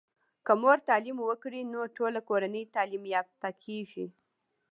که مور تعليم وکړی نو ټوله کورنۍ تعلیم یافته کیږي.